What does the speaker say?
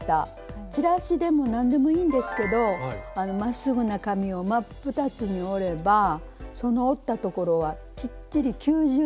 チラシでも何でもいいんですけどまっすぐな紙を真っ二つに折ればその折ったところはきっちり９０度になります。